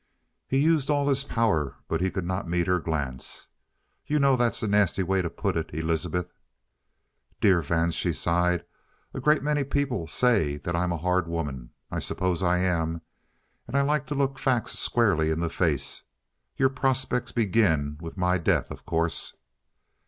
He used all his power, but he could not meet her glance. "You know that's a nasty way to put it, Elizabeth." "Dear Vance," she sighed, "a great many people say that I'm a hard woman. I suppose I am. And I like to look facts squarely in the face. Your prospects begin with my death, of course."